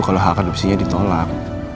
kalau hak adopsinya ditolak